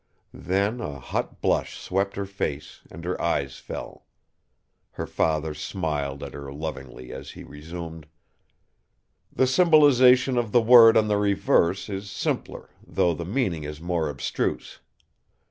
Then a hot blush swept her face, and her eyes fell. Her father smiled at her lovingly as he resumed: "The symbolisation of the word on the reverse is simpler, though the meaning is more abstruse.